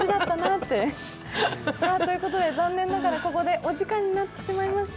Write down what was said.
残念ながら、ここでお時間になってしまいました。